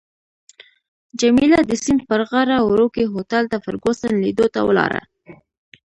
جميله د سیند پر غاړه وړوکي هوټل ته فرګوسن لیدو ته ولاړه.